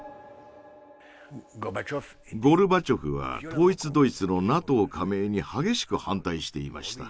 ゴルバチョフは統一ドイツのＮＡＴＯ加盟に激しく反対していました。